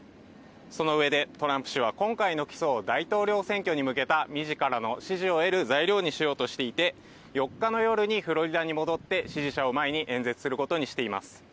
そのうえでトランプ氏は今回の起訴を大統領選挙に向けた自らの支持を得る材料にしようとしていて、４日の夜、フロリダに戻って支持者を前に演説することにしています。